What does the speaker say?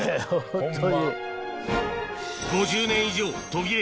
ホンマ。